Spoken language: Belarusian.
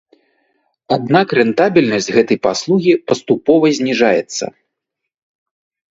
Аднак рэнтабельнасць гэтай паслугі паступова зніжаецца.